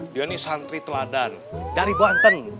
dia ini santri teladan dari banten